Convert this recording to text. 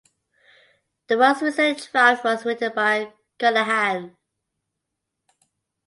The most recent draft was written by Carnahan.